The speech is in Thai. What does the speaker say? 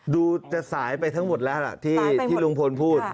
ดูจะสายไปทั้งหมดแล้วล่ะที่ลุงพลพูด